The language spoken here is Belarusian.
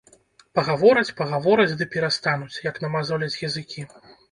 Пагавораць, пагавораць ды перастануць, як намазоляць языкі.